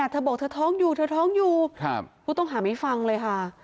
เธอบอกเธอท้องอยู่ผู้ต้องหาไม่ฟังเลยค่ะ